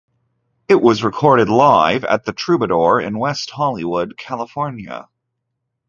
It was recorded live at The Troubadour in West Hollywood, California.